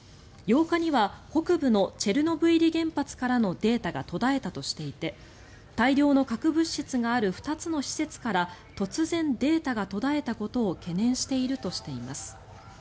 ８日には北部のチェルノブイリ原発からのデータが途絶えたとしていて大量の核物質がある２つの施設から突然、データが途絶えたことを懸念しているとしています。